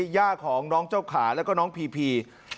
ย่าของน้องเจ้าขาแล้วก็น้องพีพี